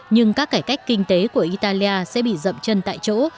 nhưng các cải cách kinh tế của italia sẽ bị dậm chân tại chỗ